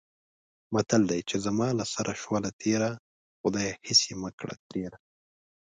متل دی: چې زما له سره شوله تېره، خدایه هېڅ یې مه کړې ډېره.